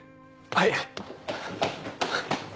はい！